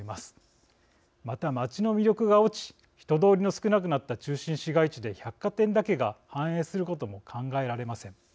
また街の魅力が落ち人通りの少なくなった中心市街地で百貨店だけが繁栄することも考えられません。